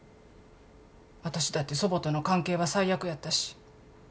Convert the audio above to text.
私だって祖母との関係は最悪やったし。